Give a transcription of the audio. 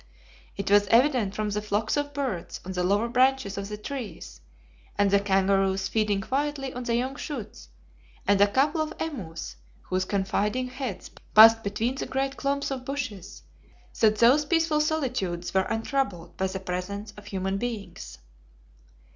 It was evident, from the flocks of birds on the lower branches of the trees, and the kangaroos feeding quietly on the young shoots, and a couple of emus whose confiding heads passed between the great clumps of bushes, that those peaceful solitudes were untroubled by the presence of human beings.